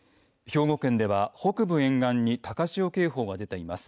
兵庫県では北部沿岸に高潮警報が出ています。